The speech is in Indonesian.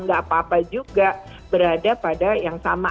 nggak apa apa juga berada pada yang sama